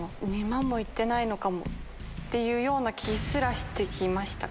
２万も行ってないのかもっていう気すらして来ました。